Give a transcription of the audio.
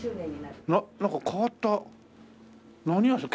なんか変わった何屋さん？